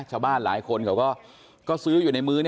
ชาวบ้านหลายคนเขาก็ซื้ออยู่ในมือ